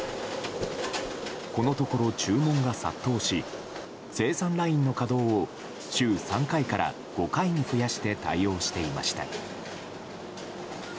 このところ注文が殺到し生産ラインの稼働を週３回から５回に増やして対応していました。